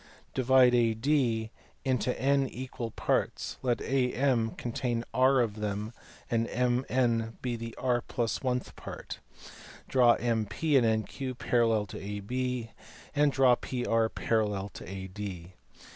Divide AD into n equal parts, let AM contain r of them, and let B MN be the (r + l)th part. Draw MP and NQ parallel to AB, and draw PR parallel to AD.